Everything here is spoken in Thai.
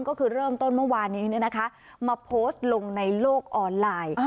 ก็คือเริ่มต้นเมื่อวานนี้มาโพสต์ลงในโลกออนไลน์